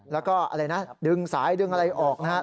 แล้วก็อะไรนะดึงสายดึงอะไรออกนะครับ